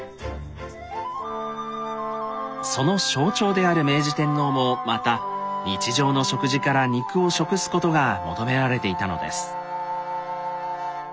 その象徴である明治天皇もまた日常の食事から肉を食すことが求められていたのです。